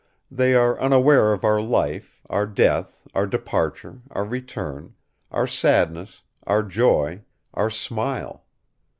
They are unaware of our life, our death, our departure, our return, our sadness, our joy, our smile.